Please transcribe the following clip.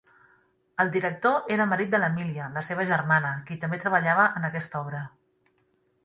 El director era marit de l'Emília, la seva germana, qui també treballava en aquesta obra.